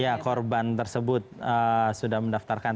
ya korban tersebut sudah mendaftarkan